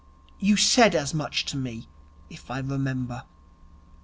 You said as much to me, if I remember.